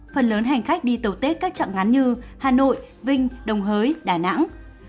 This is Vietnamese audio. phần lớn hành khách đi tàu tết các trạng ngắn như hà nội vinh đồng hới đà nẵng